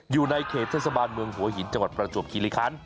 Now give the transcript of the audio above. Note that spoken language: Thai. อยู่ในเขตเทศบาลเมืองหัวหินจังหวัดประจวบคิริคัน